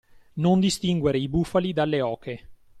Non distinguere i bufali dalle oche.